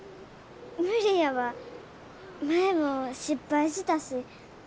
無理やわ前も失敗したし。